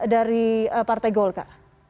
dari partai golka